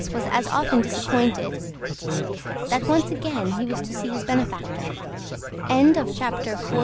was as often disappointed—that once again he was to see his benefactor. THE WONDERFUL HAIR By W.